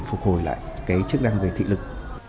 phục hồi lại cái chức năng về thị lực